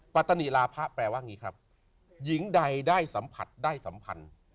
ปัตนิลาพะแปลว่าอย่างนี้ครับหญิงใดได้สัมผัสได้สัมพันธ์